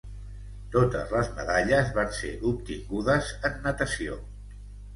Totes les medalles van ser obtingudes en natació.